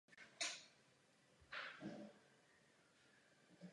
Mimo jiné byl držitelem německého kříže ve zlatě.